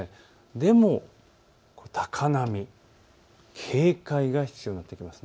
でも高波、警戒が必要になってくるんです。